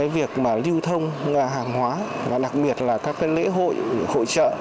việc lưu thông hàng hóa và đặc biệt là các lễ hội hội trợ